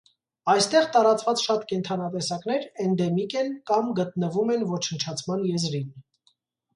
Այստեղ տարածված շատ կենդանատեսակներ էնդեմիկ են կամ գտնվում են ոչնչացման եզրին։